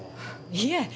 いえ